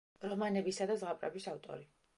რომანებისა და ზღაპრების ავტორი.